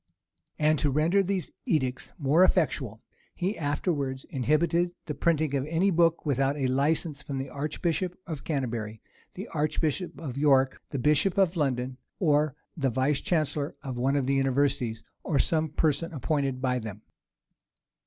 And to render these edicts more effectual, he afterwards inhibited the printing of any book without a license from the archbishop of Canterbury, the archbishop of York, the bishop of London, or the vice chancellor of one of the universities, or of some person appointed by them.